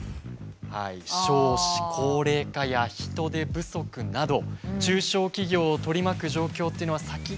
少子高齢化や人手不足など中小企業を取り巻く状況っていうのは先が見えない。